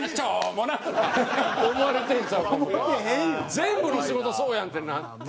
全部の仕事そうやんってなって。